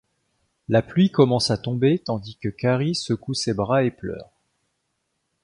La pluie commence à tomber tandis que Carey secoue ses bras et pleure.